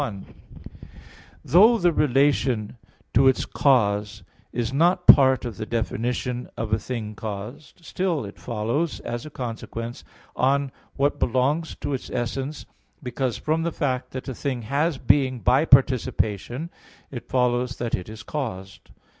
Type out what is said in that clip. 1: Though the relation to its cause is not part of the definition of a thing caused, still it follows, as a consequence, on what belongs to its essence; because from the fact that a thing has being by participation, it follows that it is caused.